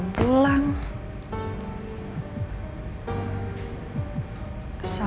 kerjaan nggak ada